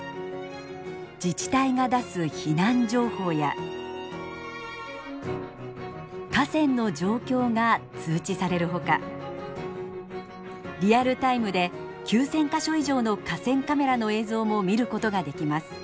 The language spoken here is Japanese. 自治体が出す避難情報や河川の状況が通知されるほかリアルタイムで９，０００か所以上の河川カメラの映像も見ることができます。